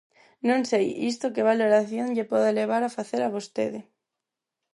Non sei isto que valoración lle pode levar a facer a vostede.